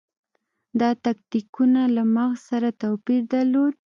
دا تکتیکونه له مغز سره توپیر درلود.